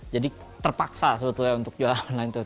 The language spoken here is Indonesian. jadi terpaksa sebetulnya untuk jual online